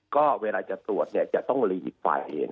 ก็เวลาจะตรวจจะต้องรีไฟ